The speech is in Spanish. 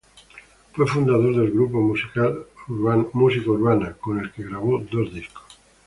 Fue fundador del grupo Música Urbana, con el que grabó dos discos.